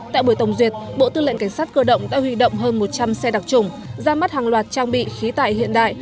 tại buổi tổng duyệt bộ tư lệnh cảnh sát cơ động đã huy động hơn một trăm linh xe đặc trùng ra mắt hàng loạt trang bị khí tải hiện đại